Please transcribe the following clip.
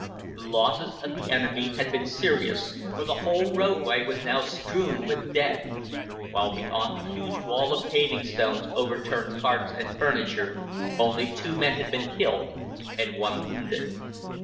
The losses of the enemy had been serious, for the whole roadway was now strewn with dead; while behind the huge wall of paving stones, overturned carts, and furniture, only two men had been killed and one wounded.